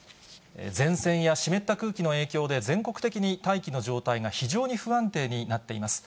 前線や湿った空気の影響で、全国的に大気の状態が非常に不安定になっています。